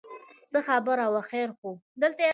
څه خبره وه خیر خو و.